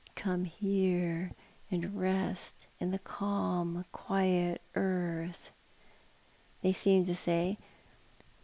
" Come here and rest in the calm, quiet earth," they seem to say.